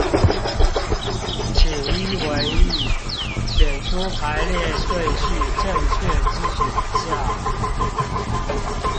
請依文意，選出排列順序正確之選項